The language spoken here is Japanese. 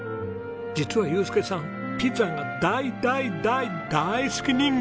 実は祐介さんピザが大大大大好き人間！